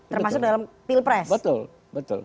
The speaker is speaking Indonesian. termasuk dalam pilpres